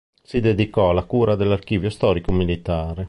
Si dedicò alla cura dell'archivio storico militare.